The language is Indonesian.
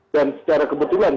dan secara kebetulan